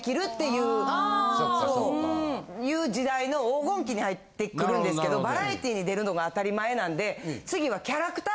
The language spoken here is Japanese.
いう時代の黄金期に入ってくるんですけどバラエティーに出るのが当たり前なんで次は。